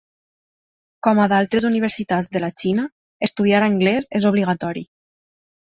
Com a d'altres universitats de la Xina, estudiar anglès és obligatori.